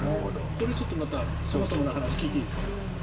これ、ちょっとまたそもそもの話聞いていいですか？